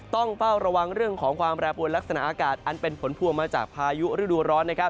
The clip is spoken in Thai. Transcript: ต้องเฝ้าระวังเรื่องของความแปรปวนลักษณะอากาศอันเป็นผลพวงมาจากพายุฤดูร้อนนะครับ